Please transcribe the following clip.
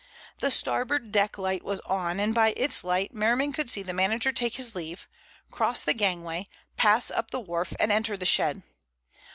The starboard deck light was on and by its light Merriman could see the manager take his leave, cross the gangway, pass up the wharf and enter the shed.